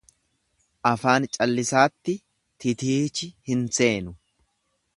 Afaan callisaatti titiichi hin seenu.